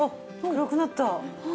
暗くなった。